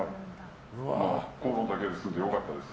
口論だけで済んで良かったです。